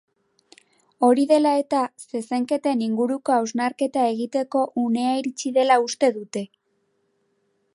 Hori dela eta, zezenketen inguruko hausnarketa egiteko unea iritsi dela uste dute.